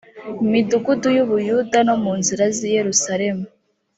midugudu y u buyuda no mu nzira z i yerusalemu